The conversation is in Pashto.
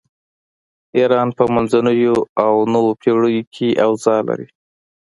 ایران په منځنیو او نویو پیړیو کې اوضاع لري.